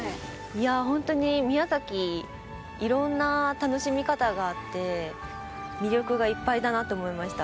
いや、本当に宮崎、いろんな楽しみ方があって、魅力がいっぱいだなと思いました。